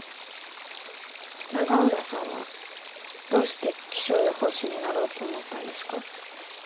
永浦さんはどうして気象予報士になろうと思ったんですか？